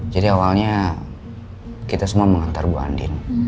jadi awalnya kita semua mengantar mbak andin